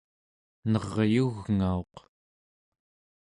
neryugngauq